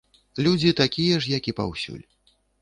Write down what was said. Людзі такія ж, як і паўсюль.